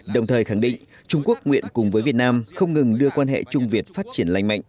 đồng thời khẳng định trung quốc nguyện cùng với việt nam không ngừng đưa quan hệ trung việt phát triển lành mạnh